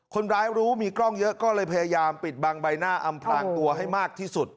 คนร้ายรู้มีกล้องเยอะก็เลยพยายามปิดบังใบหน้าอำพลางตัวให้มากที่สุด